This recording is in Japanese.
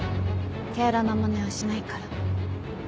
手荒なまねはしないから。